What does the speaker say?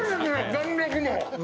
弾力も！